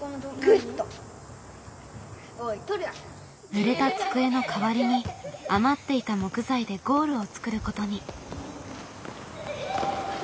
ぬれた机の代わりに余っていた木材でゴールを作ることに。